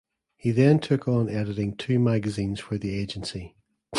He then took on editing two magazines for the agency.